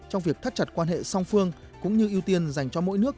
trong việc thắt chặt quan hệ song phương cũng như ưu tiên dành cho mỗi nước